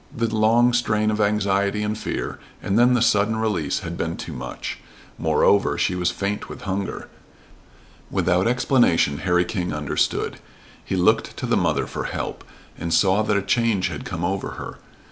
The long strain of anxiety and fear and then the sudden release had been too much. Moreover, she was faint with hunger. Without explanation Harry King understood. He looked to the mother for help and saw that a change had come over her.